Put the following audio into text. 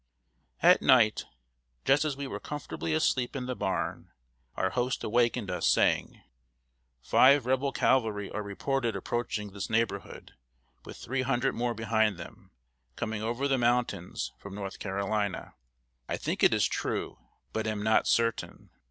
] At night, just as we were comfortably asleep in the barn, our host awakened us, saying: "Five Rebel cavalry are reported approaching this neighborhood, with three hundred more behind them, coming over the mountains from North Carolina. I think it is true, but am not certain.